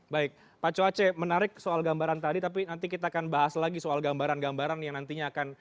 baik pak coace menarik soal gambaran tadi tapi nanti kita akan bahas lagi soal gambaran gambaran yang nantinya akan